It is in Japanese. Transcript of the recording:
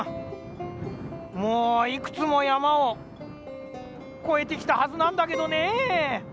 もういくつもやまをこえてきたはずなんだけどねぇ。